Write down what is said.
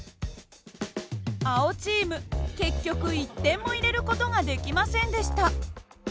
青チーム結局１点も入れる事ができませんでした。